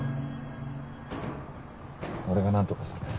俺が何とかする。